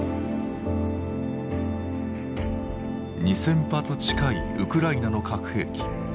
２，０００発近いウクライナの核兵器。